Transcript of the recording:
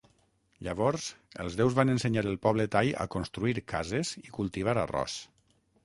Llavors, els déus van ensenyar el poble tai a construir cases i cultivar arròs.